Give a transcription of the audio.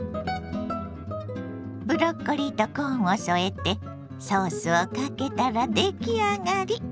ブロッコリーとコーンを添えてソースをかけたら出来上がり！